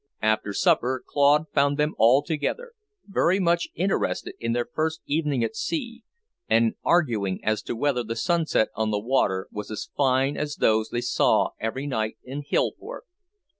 After supper Claude found them all together, very much interested in their first evening at sea, and arguing as to whether the sunset on the water was as fine as those they saw every night in Hillport.